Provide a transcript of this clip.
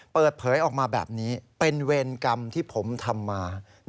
เปิดเผยออกมาแบบนี้เป็นเวรกรรมที่ผมทำมา